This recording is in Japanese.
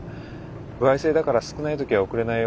歩合制だから少ない時は送れないよ。